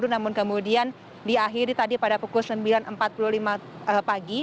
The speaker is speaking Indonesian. namun kemudian diakhiri tadi pada pukul sembilan empat puluh lima pagi